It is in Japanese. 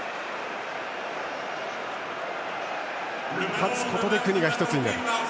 勝つことで、国が１つになる。